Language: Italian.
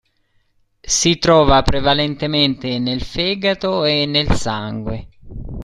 Si trova prevalentemente nel fegato e nel sangue.